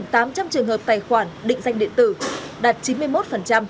một mươi tám tám trăm linh trường hợp tài khoản định danh điện tử đạt chín mươi một